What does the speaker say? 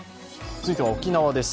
続いては沖縄です。